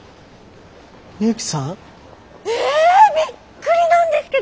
ミユキさん？えびっくりなんですけど！